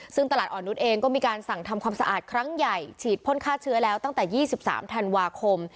ซึ่งตลาดอ่อนนุษย์เองก็มีการสั่งทำความสะอาดครั้งใหญ่ฉีดพ่นฆ่าเชื้อแล้วตั้งแต่๒๓ธันวาคม